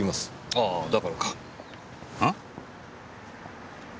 ああだからかあ？あっ！？